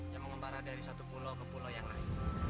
yang mengembara dari satu pulau ke pulau yang lain